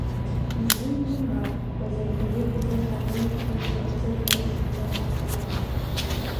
ИЗИ ИЛЛИМАР, возем тыге, кузе шарнем тыйым да кузе кызыт шинчамлан коят.